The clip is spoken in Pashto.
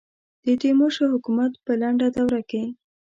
د تیمور شاه حکومت په لنډه دوره کې.